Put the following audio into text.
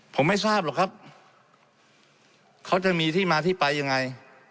ผมไม่ทราบหรอกครับเขาจะมีที่มาที่ไปยังไง